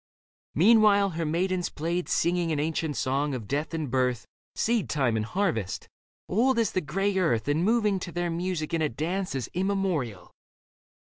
Meanwhile her maidens played, Singing an ancient song of death and birth. Seed time and harvest, old as the grey earth. And moving to their music in a dance As immemorial.